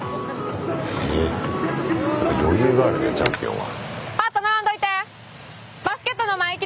余裕があるねチャンピオンは。